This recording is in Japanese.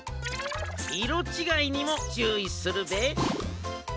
いろちがいにもちゅういするべえ。